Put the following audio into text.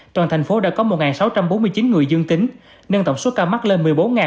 toàn thành phố đã có một sáu trăm bốn mươi chín người dương tính nâng tổng số ca mắc lên một mươi bốn một trăm năm mươi hai